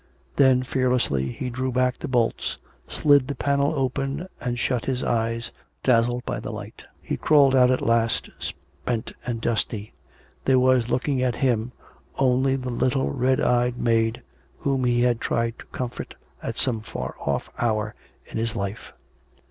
Then fearlessly he drew back the bolts, slid the panel open and shut his eyes, dazzled by the light. He crawled out at last, spent and dusty. There was looking at him only the little red eyed maid whom he had tried to comfort at some far off hour in his life.